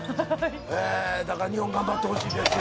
だから日本頑張ってほしいですね。